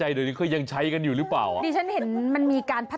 อ้าวยังไงซะขอขอบคุณภาพสนุกนี้นะฮะ